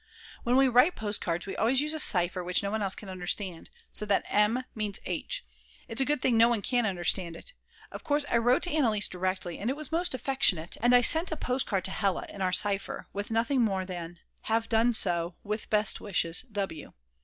When we write postcards we always use a cipher which no one else can understand, so that M. means H. It's a good thing no one can understand it. Of course I wrote to Anneliese directly, and was most affectionate, and I sent a postcard to Hella, in our cipher, with nothing more than: Have done so, with best wishes, W.